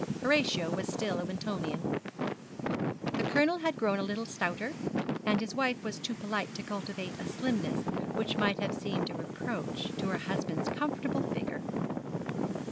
Horatio was still a Wintonian. The Colonel had grown a little stouter, and his wife was too polite to cultivate a slimness which might have seemed a reproach to her husband's comfortable figure.